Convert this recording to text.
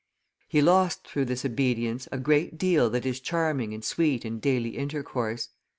He lost through this obedience a great deal that is charming and sweet in daily intercourse.